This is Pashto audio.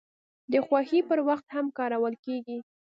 د خوښۍ پر وخت هم کارول کیږي.